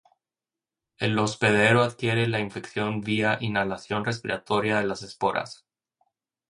El hospedero adquiere la infección vía inhalación respiratoria de las esporas.